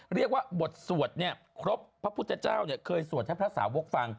เรียกว่าบทสวดเนี่ยครบพระพุทธเจ้าเนี่ยเคยสวดให้พระสาวกฟัง